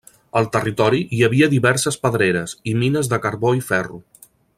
Al territori hi havia diverses pedreres, i mines de carbó i ferro.